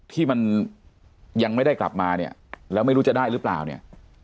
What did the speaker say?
ที่มันยังไม่ได้กลับมาเนี่ยแล้วไม่รู้จะได้หรือเปล่าเนี่ย